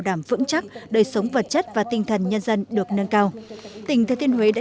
đảm vững chắc đời sống vật chất và tinh thần nhân dân được nâng cao tỉnh thừa thiên huế đã